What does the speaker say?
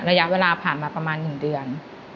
ระยะเวลาผ่านมาประมาณ๑เดือน